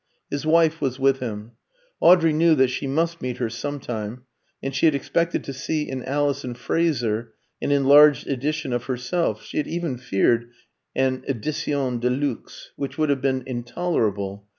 His wife was with him. Audrey knew that she must meet her some time, and she had expected to see in Alison Fraser an enlarged edition of herself; she had even feared an édition de luxe, which would have been intolerable.